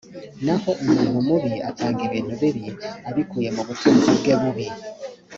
naho umuntu mubi atanga ibintu bibi abikuye mu butunzi bwe bubi